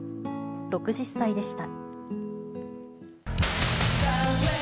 ６０歳でした。